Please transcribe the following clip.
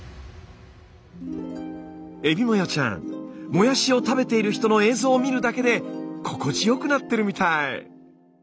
えびまよちゃんもやしを食べている人の映像を見るだけで心地よくなってるみたい！